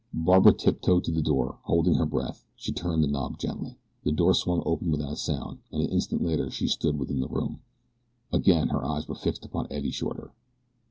Barbara tiptoed to the door. Holding her breath she turned the knob gently. The door swung open without a sound, and an instant later she stood within the room. Again her eyes were fixed upon Eddie Shorter.